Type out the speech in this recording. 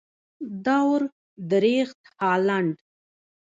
دور درېخت هالنډ.